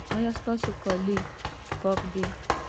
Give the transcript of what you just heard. ایا ستاسو کالي پاک دي؟